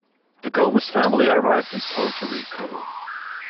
The Gomez family arrived in Puerto Rico.